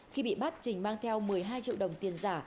khi bị bắt trình mang theo một mươi hai triệu đồng tiền giả